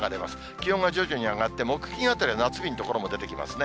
気温は徐々に上がって木、金あたりは、夏日の所も出てきますね。